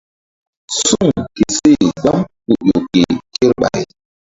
Suŋ ke seh gbam ku ƴo ke kerɓay.